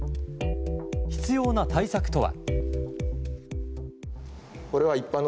必要な対策とは。